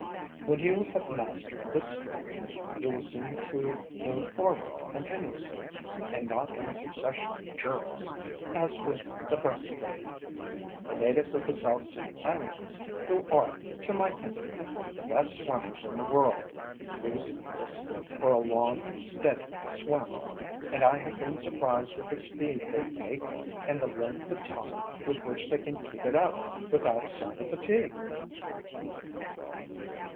When you have mastered this stroke you will seem to move forward continuously, and not in a succession of jerks, as with the breast stroke. The natives of the South Sea Islands, who are, to my thinking, the best swimmers in the world, use this stroke for a long, steady swim, and I have been surprised at the speed they make and the length of time with which they can keep it up without a sign of fatigue.